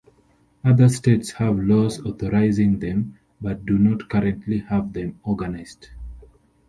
Other states have laws authorizing them but do not currently have them organized.